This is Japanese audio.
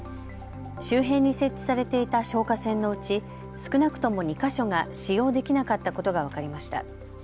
周辺に設置されていた消火栓のうち少なくとも２か所が使用できなかったことが分かりました。